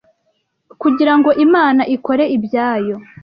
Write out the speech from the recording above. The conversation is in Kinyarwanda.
kugirango Imana ikore ibyayo